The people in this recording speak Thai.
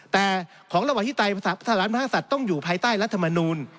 แต่ของระหว่างที่ทหารมหาศัตริย์ต้องอยู่ภายใต้รัฐมนูล